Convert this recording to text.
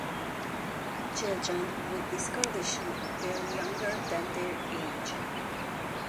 Children with this condition appear younger than their age.